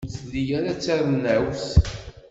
Ur telli ara d tarennawt.